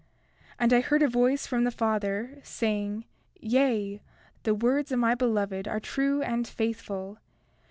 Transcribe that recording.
31:15 And I heard a voice from the Father, saying: Yea, the words of my Beloved are true and faithful.